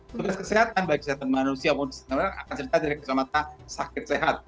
petugas kesehatan baik kesehatan manusia akan cerita dari kacamata sakit sehat